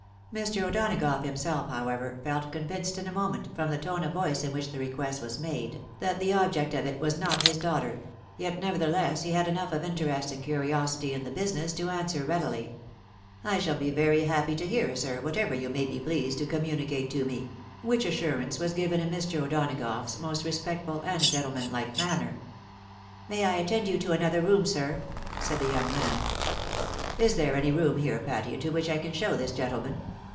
Mr. O'Dona gough himself, however, felt convinced in a moment, from the tone of voice in which the request was made, that the object of it was not his daughter ; yet, nevertheless, he had enough of interest and curiosity in the business to answer readily, " I shall be very happy to hear, sir, whatever you may be pleased to communicate to me ;" which assurance was given in Mr. O'Donagough's most respectful and gentlemanlike manner. " May I attend you to another room, sir? " said the young man. " Is there any room here, Patty, into which I can show this gentleman